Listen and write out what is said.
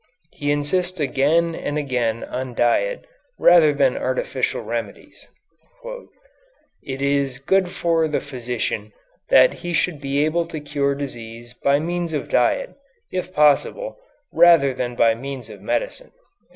He insists again and again on diet rather than artificial remedies. "It is good for the physician that he should be able to cure disease by means of diet, if possible, rather than by means of medicine."